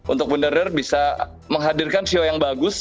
untuk benar benar bisa menghadirkan show yang bagus